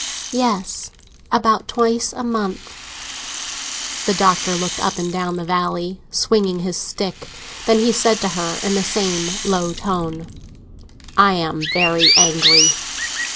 "Yes—about twice a month." The Doctor looked up and down the valley, swinging his stick; then he said to her, in the same low tone: "I am very angry."